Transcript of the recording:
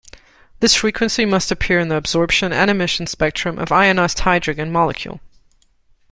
This frequency must appear in the absorption and emission spectrum of ionized hydrogen molecule.